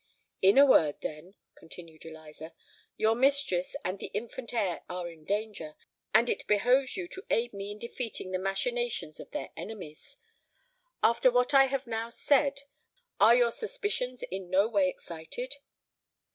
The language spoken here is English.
"In a word, then," continued Eliza, "your mistress and the infant heir are in danger; and it behoves you to aid me in defeating the machinations of their enemies. After what I have now said, are your suspicions in no way excited?"